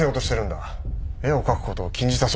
絵を描くことを禁じたそうじゃないか。